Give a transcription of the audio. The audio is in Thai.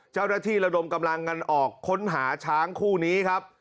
เจ้าหน้าที่ระดมกำลังกันออกค้นหาช้างคู่นี้ครับ